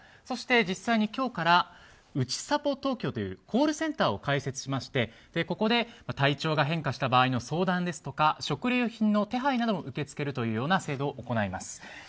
そして実際に今日からうちさぽ東京というコールセンターを開設しましてここで体調が変化した場合の相談ですとか食料品の手配なども受け付けるという制度を行います。